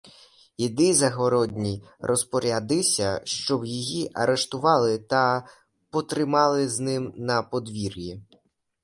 Іди, Загородній, розпорядися, щоб її "арештували" та потримали з ним на подвір'ї.